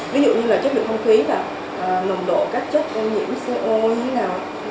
ví dụ như là chất lượng không khí nồng độ các chất nhiễm co như thế nào